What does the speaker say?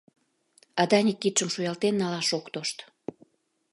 А Даник кидшым шуялтен налаш ок тошт.